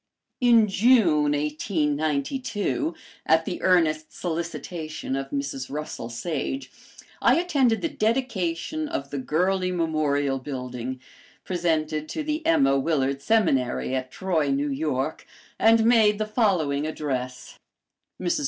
In June, 1892, at the earnest solicitation of Mrs. Russell Sage, I attended the dedication of the Gurley Memorial Building, presented to the Emma Willard Seminary, at Troy, New York, and made the following address: "MRS.